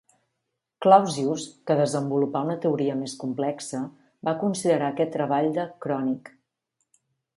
Clausius, que desenvolupà una teoria més complexa, va considerar aquest treball de Krönig.